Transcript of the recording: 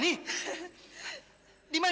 di mana dia sekarang